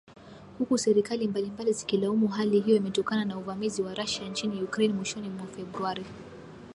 Huku serikali mbalimbali zikilaumu hali hiyo imetokana na uvamizi wa Russia nchini Ukraine mwishoni mwa Februari.